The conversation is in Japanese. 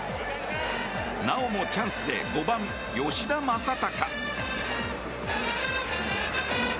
なおもチャンスで５番、吉田正尚。